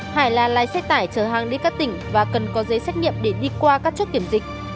hải là lai xét tải chở hàng đến các tỉnh và cần có giấy xét nghiệm để đi qua các chốt kiểm dịch